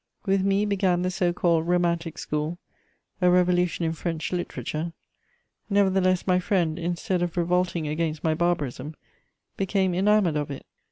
With me began the so called romantic school, a revolution in French literature: nevertheless, my friend, instead of revolting against my barbarism, became enamoured of it.